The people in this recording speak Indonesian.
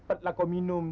mesti saya luntur